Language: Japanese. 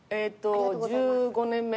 １５年目。